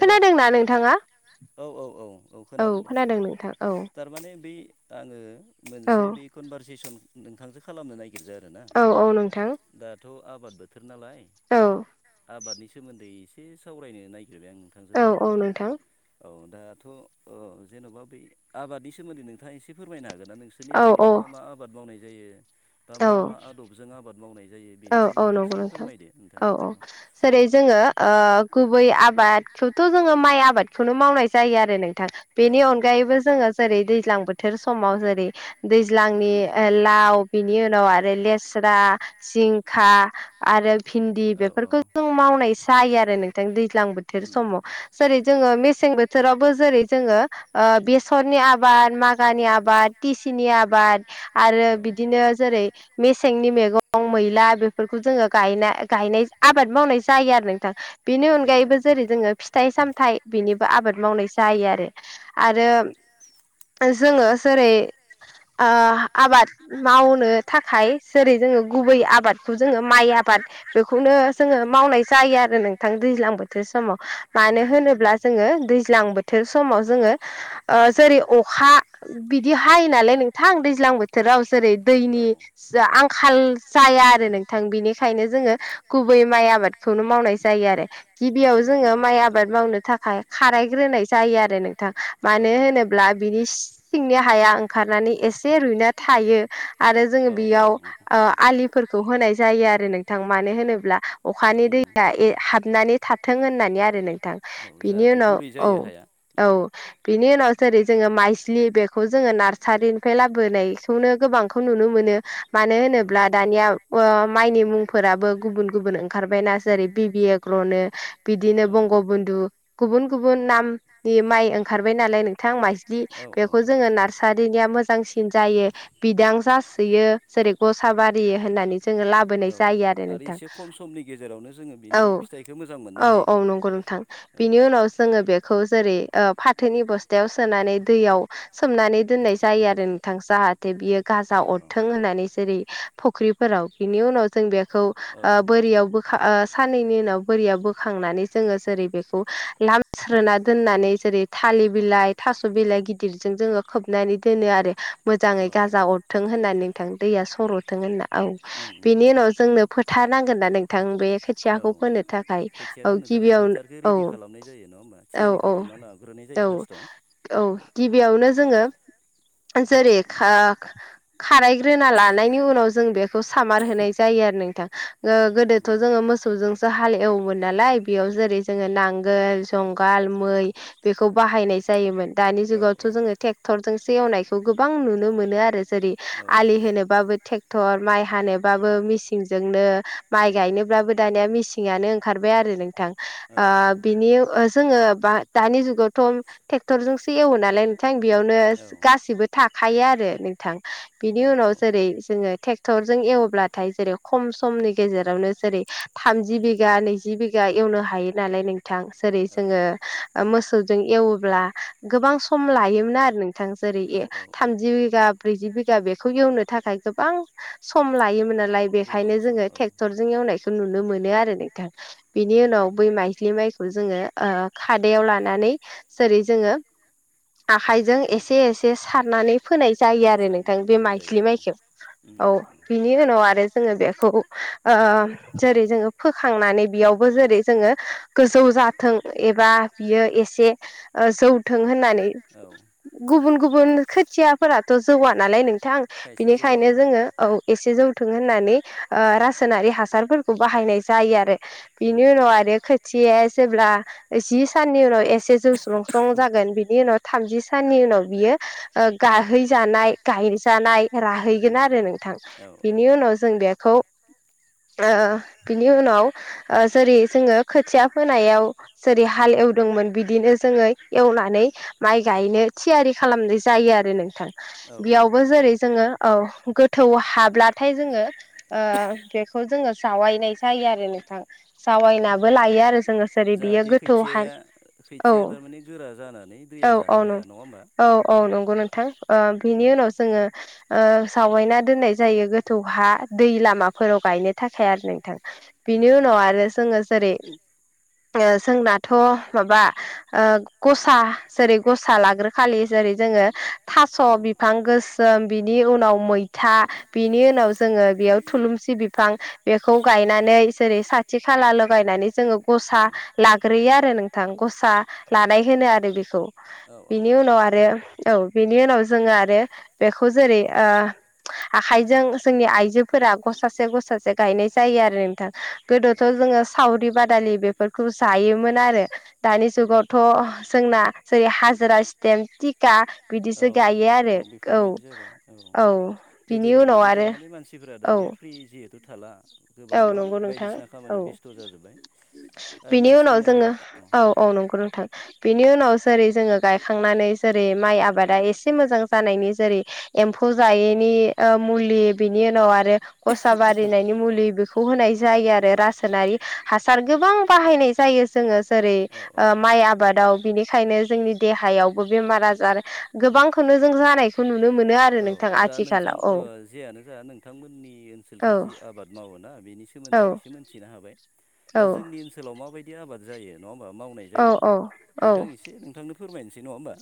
Hello खोनादोंना नोंथाङा औ औ औ औ खोनादों दे थारमाने बै आङो औ मोनसे बे कनभारसेसन नोंथांसो खालामनो नागिर गिर्जा आरोना औ औ नोंथां दाथ' आबाद बोथोर नालाय औ आबादनि सोमोन्दै एसे सावरायनो नायागिरबाय आं नोंथांजो औ औ थारमाने नोंथां औ दाथ' जेन'बा ओ बै आबादनि सोमोन्दै नोंथाङा एसे फोरमायनो हागोन ना नोंसोर सोरनि औ ओनसोलाव औ मा मा आबाद मावनाय जायो बा मा औ मा आदबजों आबाद मावनाय जायो औ बेनि औ सोमोन्दै नंगौ एसे नोंथां फोरमायदो नोंथाङा औ जेरै जोङो ओ गुबै आबादखौथ' जोङो माइ आबाद खौनो मावनाय जायो आरो नोंथां बेनि अनगायैबो जोङो जेरै दैज्लां बोथोर समाव जेरै दैज्लांनि लाव बिनि उनाव आरो लेस्रा जिंखा आरो भिन्दि बेफोरखौ जों मावनाय जायो आरो नोंथां दैज्लां बोथोर समाव जेरै जोङो मेसें बोथोरावबो जेरै जोङो ओ बेसरनि आबाद मागानि आबाद टिसिनि आबाद आरो बिदिनो जेरै मेसेंनि मेगं मैला बेफोरखौ जोङो गाय-गायनाय आबाद मावनाय जायो आरो नोंथां बेनि अनगायैबो जेरै जोङो फिथाइ सामथायाइ बेनिबो आबाद मावनाय जायो आरो आरो जोङो जेरै ओ आबाद मावनो थाखाय जेरै जोङो गुबै आबादखौ जोङो माइ आबाद बेखौनो जोङो मावनाय जायो आरो नोंथां दैज्लां बोथोर समाव मानो होनोब्ला जोङो दैज्लां बोथोर समाव जोङो ओ जेरै अखा बिदि हायो नालाय नोंथां दैज्लां बोथोराव जेरै औ दैनि जा आंखाल जाया आरो नोंथां बेनिखायनो जोङो औ गुबै माइ आबादखौनो मावनाय जायो आरो औ गिबियाव थिगानो जोङो दं माइ औ आबाद मावनो थाखाय खारायग्रोनाय जायो आरो नोंथां मानो नोंथां औ होनोब्ला ब्ला बिनि सिंनि हाया ओंखारनानै एसे रुइना थायो आरो जोङो बेयाव आलिफोरखौ होनाय जायो आरो नोंथां मानो होनोब्ला अखानि दैया हाबनानै था थों होननानै आरो नोंथां औ बेनि जाहाथे उनाव गुरै औ जायो औ बिनि उनाव जेरै जोङो माइज्लि बेखौ जोङो नार्सारिनिफ्राय लाबोनायखौनो गोबांखौ नुनो मोनो मानो ब्ला दानिया अ माइनि मुंफोराबो गुबुन गुबुन ओंखारबायना जेरै बिबि एग्र'नो बिदिनो बंग' बन्धु गुबुन गुबुन नामनि माइ ओंखारबाय नालाय नोंथां माइज्लि बेखौ जोङो नार मोजांसिन जायो बिदां जोयो जेरै गसा साबारि होननानै जोङो लाबोनाय जायो आरो नोंथां एसे खम समनि गेजेरावनो जोङो औ बिनि फिथाइखौ मोजां मोननो औ हायो औ नंगौ नोंथां औ बिनि उनाव जोङो बे खौ जेरै फाथोनि बस्थायाव सोनानै दैयाव सोमनानै दोननाय जायो आरो नोंथां जाहा थे बियो गाजा अरथों होननानै जेरै फुख्रिफोराव बिनि उनाव जों बेखौ ओ औ बोरियावबो ओ साननैनि उनाव बोरिया बोखांनानै जोङो जेरै बेखौ लामस्रोना दोननानै जेरै थालिर बिलाइ थास' बिलाइ गिदिरजों जोङो खोबनानै दोनो आरो अरथों होननानै नोंथां दैया सरथों होनना औ बेनि उनाव जोंनो मोजाङै गाजा अरथों होनना नोंथां दैया सर'रथों होनना औ बेनि उनाव जोंनो फोथा नांगोन ना नोंथां बे खोथियाखौ फोनो थाखाय खोथिया औ फोनो थाखाय फोथारखौ गिबियावनो रेडि औ खालामनाय जायो नङा होमबा थियारि औ औ खालामना लाग्रोनाय जायो फार्स्टआव बेयावनो जोङो जेरै खारायग्रोना लानाय नि उनाव जों बेखौ सामार होनाय जायो आरो नोंथां गोदोथ' जोङो मोसौ हाल एव मोन नालाय बेयाव जेरै जोङो नांगोल जुंगाल मै बेखौ बाहायनाय जायोमोन दानि जुगावथ' जोङो ट्रेक्टरजोंसो एवनायखौ गोबां नुनो मोनो आरो जेरै आलि जेरै होनोबाबो ट्रेक्टर माइ हानोबाबो मेसिनजोंनो माइ गायनोब्लाबो दानिया मेसिनानो ओंखारबाय आरो नोंथां आरो नोंथां बिनि जोङो बा दानि जुगावथ' ट्रेक्टरजोंसो एवो नालाय बेयावनो गासिबो थाखायो आरो नोंथां औ-औ-औ ट्रेक्टरजों एवब्लाथाय जेरै खम समनि गेजेरावनो जेरै औ सम लायोमोन औ-औ-औ बिगा ब्रैजि बिनि उनाव जेरै जोङो ट्रेक्टर जों एवब्लाथाय जेरै खम समनि गेजेरावनो जेरै थामजि बिघा नै जि बिघा एवनो हायो नालाय नों थां जेरै जोङो मोसौजों एवब्ला गोबां सम लायोमोन आरो नोंथां जेरै थामजि बिघा ब्रैजि बिघा बेखौ एवनो थाखाय गोबां सम लायोमोन आरो बेखायनो जोङो टेक्टर जों एवनायखौ नुनो मोनो आरो नोंथां बेनि उनाव बै माइलि माइखौ जोङो ओ खादायाव लानानै जेरै जोङो आखाइजों एसे एसे सारनानै फोनाय जायो आरो नोंथां बे माइथ्लि माइखौ औ उम बेनि उनाव आरो जोङो बेखौ ओ जेरै जोङो फोखांनानै बेयावबो जेरै जोङो गोजौ जाथों एबा बियो एसे जौथों होननानै गुबुन गुबुन खोथियाफोराथ' जौआ नालाय नोंथां खायसे बेनिख जौवा औ औ एसे जौथों होननानै रासायनारि हासारफोरखौ बाहायनाय जायो आरो बिनि उम उम उनाव आरो खोथिया जेब्ला जि साननि उनाव एसे जौ स्लुंस्लं जागोन बिनि उनाव थामजि साननि उनाव बियो ओ गाहैजानाय गायजानाय हैगोन उम आरो उम नोंथां औ बिनि उनाव जों बेखौ [inaudible] बिनि उनाव जेरै जोङो खोथिया फोनायाव जेरै हाल एवदोंमोन बिदिनो जोङो एवनानै माइ औ गायनो थियारि खालामनाय जायो आरो नोंथां आरो नोंथां। औ बेयावबो जेरै जोङो औ गोथौ हाब्लाथाय जोङो आ बेखौ जोङो जावायनाय जायो आरो नोंथां उम जावायनाबो लायो आरो जोङो जेरै बियो जाहाथे गोथौहान खैथियाया औ खैथिया थारमाने गोरा जानानै दैया औ जानो औ हाया नङा होमबा औ उम औ नंगौ नोंथां। बिनि उनाव जोङो ओ सावयैना दोननाय जायो गोथौ हा दै लामाफोराव गायनो थाखाय आरो नोंथां। औ बिनि औ उनाव आरो जोङो जेरै ओ जोंनाथ' माबा ओ गसा जेरै गसा लाग्रो खालि जेरै जोङो औ थास' बिनि बिफां गोसोम बिनि उनाव मैथा बिनि उनाव जोङो बेयाव थुलुंसि बिफां बेखौ गायनानै जेरै साथि खाला लगायनानै जोङो गसा लाग्रोयो आरो नों थां गसा लानाय होनो आरो बेखौ। औ औ औ बिनि उनाव आरो औ बिनि उनाव जोङो आरो बेखौ जेरै ओ आखाइजों जोंनि आइजोफोरा गसासे गसासे गायनाय जायो आरो नोंथां गोदोथ' जोङो सावरि बादालि बेफोरखौ जायोमोन आरो दानि जुगावथ' जोंना जेरै हाजिरा स्टेम टिका औ बिदिसो गायो आ रो औ। जाबाय औ बिनि गोदोनि उनाव बायदि थार आरो माने मानसिफोरा औ दानिया फ्रि जिहेथु थाला। गोबां औ न' नंगौ नोंथां बायदिसिना औ खामानियाव बेस्थ' जाजोब्बाय आरो बिनि मानसिखौ उनाव मोनला। जोङो औ औ नंगौ नोंथां। बेनि उनाव जेरै जोङो गायखांनानै जेरै माइ आबादा एसे मोजां जानायनि जेरै एम्फौ जायैनि ओ मुलि बिनि उनाव आरो खसा बारिनायनि मुलि बेखौ होनाय जायो आरो रासायनारि हासार गोबां बाहायनाय जायो जोङो जेरै माइ आबादाव ओ माइ आबादाव बिनिखायनो जोंनि देहायावबो बेमार आजार गोबांखौनो जों जानायखौ नुनो मोनो आरो नों दा नोंथां ओ जेयानो जा नोंथांमोननि औ ओनसोलखि जि आबाद मावोना बेनि स औ सोमोन्दै आं एसे मिथिनो हाबाय औ दा जोंनि ओनसोलाव माबायदि आबाद जायो नङा होमबा मावनाय औ जायो औ औ बेखौ आं एसे नोंथांनो फोरमायनोसै नङा होमबा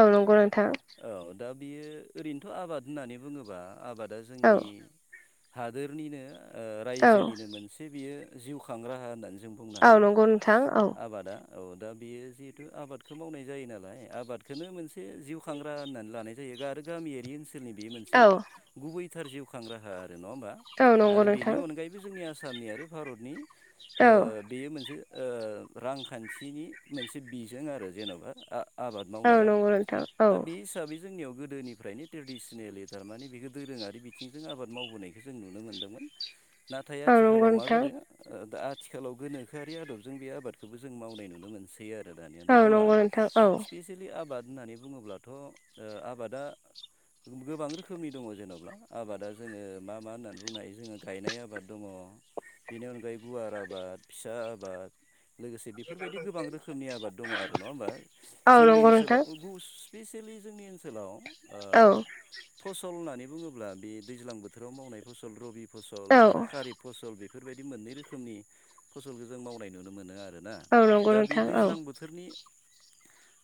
औ नंगौ नोंथां। औ दा बियो ओरैनोथ' आबाद होननानै बुङोबा आबादा औ जोंनि हादोरनिनो ओ औ रायजोनिनो मोनसे बियो जिउ खां राहा होननानै जों बुंनो औ हायो नंगौ नोंथां औ आबादा औ दा बियो जिहेथु आबादखौ मावनाय जायो नालाय आबादखौनो मोनसे जिउ खांग्रा होननानै लानाय जा जायो आरो गामिआ रि ओनसोलनि बे मोनसे औ गुबैथार जिउखां राहा आरो नङा हबा औ नंगौ आरो बेनि नोंथां अनगायै जोंनि आसामनि आरो भारतनि ओ औ बेयो मोनसे ओ रांखान्थिनि मोनसे बिजों आरो जेन'बा आ आबाद औ मावनाया नंगौ नोंथां औ दा बे हिसाबै जोंनियाव गोदोनिफ्रायनो ट्रेडिसनेलि थारमाने बेखौ दोरोङारि बिथिंजों आबाद मावबोनायखौ जों नुनोमोन्दोंमोन। नाथाय औ नंगौ आथिखालाव मा नोंथां जादों दा आथिखालाव गोनोखोआरि आदबजों बे आबादखौबो जों मावनाय नुनो मोन सै आरो दानिया औ नङा होमबा नंगौ नोंथां औ स्पेसिलि आबाद होननानै बुङोब्लाथ' आबादा गोबां रोखोमनि दङ जेन'बा आबादा जोङो मा मा होननानै बुंनो हायो जोङो गायनाय आबाद दङ बेनि अनगायै गुवार आबाद फिसा आबाद। लोगोसे बेफोरबायदि गोबां रोखोमनि आबाद दङ आरो नङा होमबा औ जोंनि नंगौ नोंथां ओनसोलाव गु स्पेसियेलि जोंनि ओनसोलाव ओ औ फसल होननानै बुङोब्ला बे दैज्लां बोथोराव मावनाय फसल रबि फसल औ आरो खारिब फसल बेफोरबायदि मोननै रोखोमनि फसलखौ जों मावनाय नुनो मोनो आरो ना औ नंगौ दा बे नोंथां औ दैज्लां बोथोरनि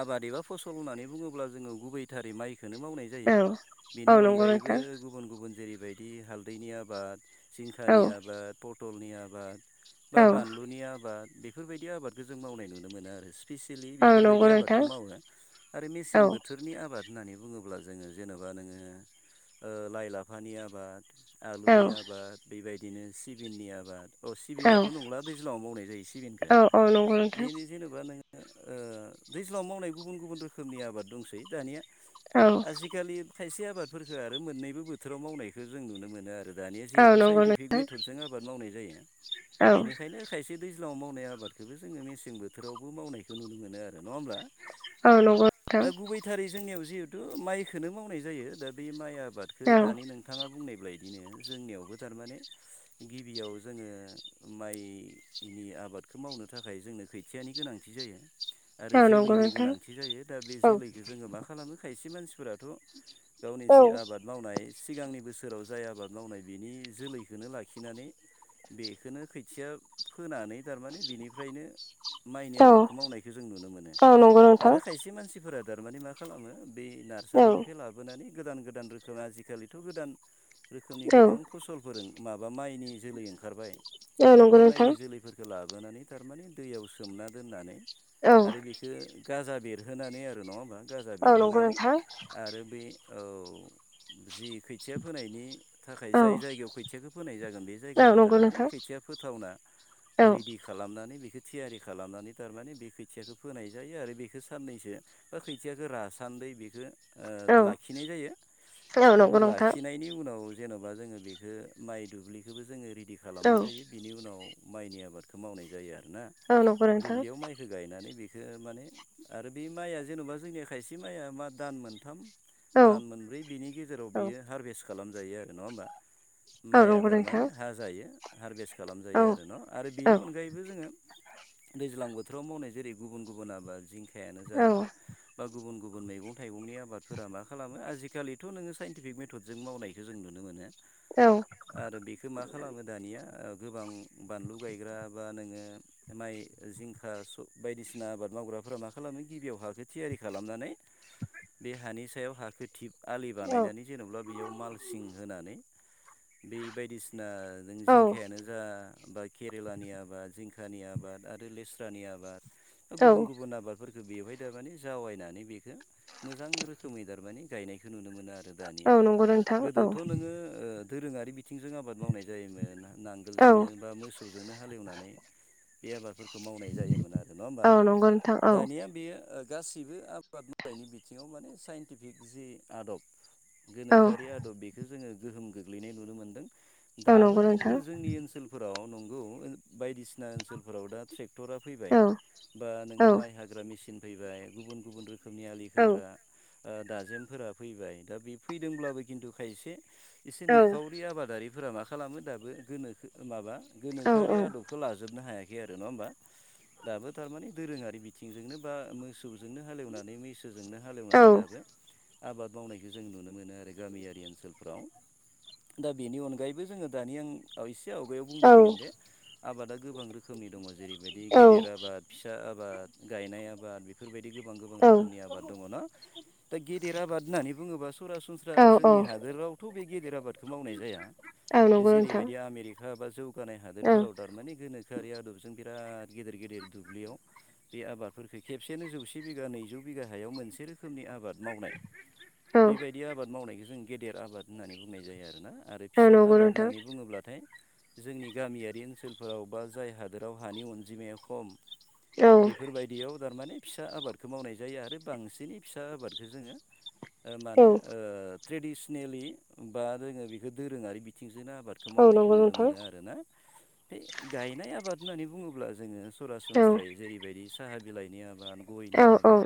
आबाद एबा फसल होननानै बुङोब्ला जोङो गुबै थारै माइखोनो मावनाय जायो औ बेनि औ नंगौ अनगायैबो नोंथां गुबुन गुबुन जेरैबायदि हालदैनि आबाद औ जिंखानि आबाद पथलनि आबाद बा औ बानलुनि आबाद बेफोरबायदि आबादखौ जों मावनाय नुनो मोनो आरो स्पिसियेलि औ बेफोरबायदि नंगौ आबादखौ नोंथां मावो आरो औ मेसें बोथोरनि आबाद होननानै बुङोब्ला जोङो जेनेबा नोङो ओ लाइ लाफानि आबाद औ आलुनि आबाद बेबायदिनो सिबिंनि आबाद औ सिबिनाथ नंला दैज्लाङाव मावनाय जायो औ सिबिनखो औ नंगौ बेनो नोंथां जेनेबा बा नोङो ओ दैज्लां मावनाय गुबुन गुबुन रोखोमनि आबाद दंसै दानिया औ आजिखालि खायसे आबादफोरफोरखो आरो मोननैबो बोथोराव मावनायखौ जों नुनो मोनो आरो दानिया जिहेतु औ नंगौ साइन्टिफिक मेथडजों आबाद मावनाय जायो औ बेनिखायनो खायसे दैज्लङाव मावनाय आबादखोबो जोङो मेसें बोथोरावबो मावनायखौ नुनो मोनो आरो नङा होमब्ला औ नंगौ दा नोंथां गुबै थारै जोंनियाव जिहेथु माइखोनो मावनाय जायो दा बे माइआ आबादखौ दानि औ नोंथाङा बुंनाय बायदिनो जोंनियावबो थारमाने गिबियाव जोङो माइनि आबादखौ मावनो थाखाय जोंनो खोथियानि गोनांथि जायो आरो औ नंगौ जोलैनि नोंथां गोनांथि जायो दा औ बे जोलैखौ जोङो मा खालामो खायसे मानसिफोराथ गावनि जि आबाद मावनाय सिगांनि बोसोराव जाय आबाद मावनाय बिनि जोलैखौनो लाखिनानै बेखौनो खोथिया फोनानै थारमाने बिनिफ्रायनो माइनि औ आबादखौ मावनायखौ जों नुनो मोनो नंगौ आरो नोंथां खायसे मानसिफोरा थारमाने मा मा खालामो ब नार्सारिनिफ्राय लाबोनानै गोदान गोदान रोखोम आजिखालिथ गोदान औ रोखोमनि गोबां फसलफोर माबा माइनि जोलै ओंखारबाय औ दा बे माइनि नंगौ नोंथां जोलैफोर खो लाबोनानै थारमाने दैयाव सोमना दोननानै औ आरो बेखो गाजा बेरहोनानै आरो नङा होमबा गाजा औ नंगौ बेरहोनानै नोंथां आरो बे औ जि खोथिया फोनायनि थाखाय औ जाय जायगायाव खोथियाखौ फोनाय जागोन बे जायगाखौ नंगौ थारमाने नोंथां खोथिया फोथावना औ रेडि खालामनानै बेखौ थियारि खालामनानै थारमाने बे खोथियाखौ फोनाय जायो आरो बेखौ साननैसो बा खोथियाखौ रासान्दै बेखौ औ लाखिनाय जायो औ आरो बे नंगौ नोंथां लाखिनायनि उनाव जेनेबा जोङो बेखौ माइ दुब्लिखौबो जोङो रेडि औ खालामनाय जायो बिनि उनाव माइनि आबादखौ मावनाय जायो आरोना औ नंगौ नोंथां दुब्लियाव माइ गायनानै बेखौ माने आरो बे माइआ जेनेबा जोंनिया खायसे माइआ मा दान मोन मोनथाम औ दान मोनब्रै बिनि गेजेराव औ बियो हारभेस्ट खालामजायो आरो नङा होमबा औ माइआ नंगौ नोंथां थारमाने हा जायो हारभेस्ट औ खालामजायो आरो न आरो औ बिनि अनगायैबो जोंओ दैज्लां बोथोराव मावनाय जेरै गुबन गुबन आबाद जिं खायानो जा औ बा गुबुन गुबुन मैगं थाइगंनि आबाद फोरा मा खालामो आजिखालिथ नोङो साइनटिफिक मेथदजों मावनायखौ जों नुनो मोनो औ आरो बेखो मा खालामो दानिया गोबां बानलु गायग्रा बा नोङो माइ जिंखा बायदिसिना आबाद मावग्राफोरा मा खालामो गिबियाव हाखौ थियारि खालामनानै बे हानि सायाव हाखो थिब आलि औ बानायनानै जेनेबा बेयाव मालसिं होनानै बे बायदिसिना जों औ जिंखायानो जा बा केरेलानि आबाद जिंखानि आबाद आरो लेस्रानि आबाद औ गुबुन गुबुन आबाद फोरखो बेवहाय दारमाने जावायनानै बेखौ मोजां रोखोमै दारमाने गायनायखौ नुनो मोनो दा आरो औ दानिया नंगौ नोंथां औ गोदोथ' नोङो ओ दोरोङारि बिथिंजों आबाद मावनाय जायोमोना नां औ गोलजोंनो बा मोसौजोंनो हालेवनानै बे आबादफोरखौ मावनाय जायोमोन आरो नङा होमबा औ नंगौ नोंथां औ दानिया बेयो ओ गासैबो आबाद मावनायनि बिथिङाव माने साइन्टिफिक जि आदब औ गोनोखोआरि आदब बेखौ जोङो गोहोम गोग्लैनाय नुनो मोन्दों औ दाबो नंगौ खिन्थु नोंथां जोंनि ओनसोल फोराव नंगौ बायदिसिना ओनसोलफोराव दा ट्रेकटरा फैबाय औ बा औ नोङो माइ हा ग्रा मेचसिन फैबाय गुबुन गुबुन रोखोमनि आलि औ खोग्रा ओ दाजेमफोरा फैबाय दा बे फैदोंब्लाबो खिन्थु खायसे एसे औ निखावरि आबादारिफोरा मा खालामो दाबो गोनोखो माबा औ गोनोखोआरि आदबखौ लाजोबनो हाया खै आरो नङा होमबा दाबो थारमाने दोरोङारि बिथिंजोंनो बा मोसौजोंनो हालेवनानै मिस जोंनो हालएवनानै दाबो औ आबाद मावनायखौ जों नुनो मोनो आरो गामियारि ओनसोलफ्राव दा बेनि अनगायैबो जोङो दानि आं औ इसे आवगायाव बुंबोदोंमोन जे आबादा गोबां रोखोमनि दङ जेरैबायदि गेदेर औ आबाद फिसा आबाद गायनाय आबाद बेफोरबायदि गोबां गोबां रोखोमनि आबाद दङ ना दा गेदेर आबाद होननानै बुङोबा सरासनस्रा जोंनि औ हादोरावथ' बे गेदेर आबादखौ मावनाय जाया नंगौ नोंथां जेरैबायदि आमेरिका बा जौगानाय औ हादोरफोराव टारमाने गोनो खोआरि आदबजों बिराद गेदेर गेदेर दुब्लियाव बे आबादफोरफोरखो खेबसेनो जौसे बिगा नैजौ बिगा हायाव मोनसे रोखोमनि आबाद मावनाय औ बेबाय दि आबाद मावनायखौ जों गेदेर आबाद होननानै बुंनाय जायो आरोना आरो फिसा नंगौ आबाद नोंथां होननानै बुङोब्लाथाय जोंनि गामियारि ओनसोलफोराव बा जाय हादोराव हानि अनजिमाया खम औ बेफोरबायदियाव टारमाने फिसा आबादखौ मावनाय जायो आरो बांसिनै फिसा आबादखो जोङो माने औ औ ओ ट्रेडिसेनेलि बा जोङो बेखौ दोरोङारि बि थिंजोनो आबादखौ मावनायखौ नुनो मोनो आरो ना बे गायनाय आबाद होननानै बुङोब्ला जोङो नंगौ नोंथां सरासनस्रायै औ जेरैबायदि साहा बिलाइनि आबाद गयनि औ औ आबाद